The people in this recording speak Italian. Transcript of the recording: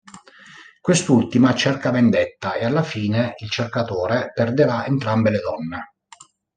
Quest'ultima cerca vendetta e alla fine, il cercatore perderà entrambe le donne.